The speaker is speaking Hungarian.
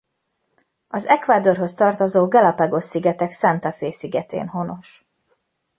Az Ecuadorhoz tartozó Galápagos-szigetek Santa Fé-szigetén honos.